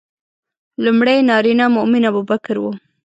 لومړی نارینه مؤمن ابوبکر و.